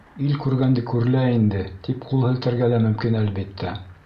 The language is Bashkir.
Ил күргәнде күрелә инде, тип ҡул һелтәргә лә мөмкин, әлбиттә.